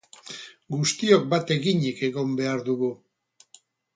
Guztiok bat eginik egon behar dugu.